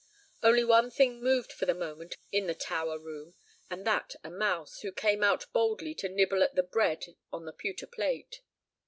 Only one thing moved for the moment in the tower room, and that a mouse, who came out boldly to nibble at the bread on the pewter plate.